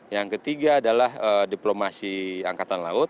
yang ketiga adalah diplomasi angkatan laut